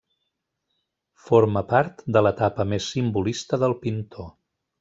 Forma part de l'etapa més simbolista del pintor.